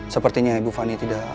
sepertinya ibu fani tidak